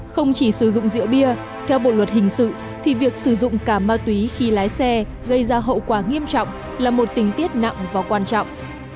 không chỉ sử dụng rượu bia theo bộ luật hình sự thì việc sử dụng cả ma túy khi lái xe gây ra hậu quả nghiêm trọng là một tình tiết nặng và quan trọng